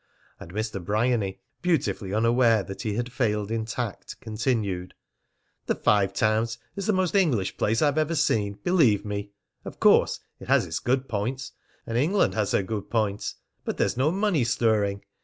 And Mr. Bryany, beautifully unaware that he had failed in tact, continued: "The Five Towns is the most English place I've ever seen, believe me! Of course it has its good points, and England has her good points; but there's no money stirring.